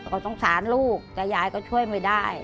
ก็สงสารลูกแต่ยายก็ช่วยไม่ได้